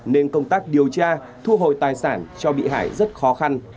nên công tác điều tra thu hồi tài sản cho bị hại rất khó khăn